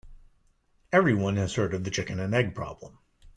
Everyone has heard of the chicken and egg problem.